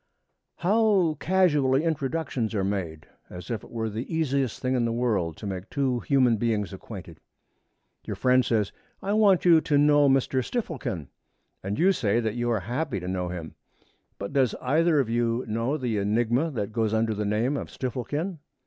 How casually introductions are made, as if it were the easiest thing in the world to make two human beings acquainted! Your friend says, 'I want you to know Mr. Stifflekin,' and you say that you are happy to know him. But does either of you know the enigma that goes under the name of Stifflekin?